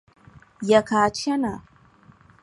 Ya ka a chana?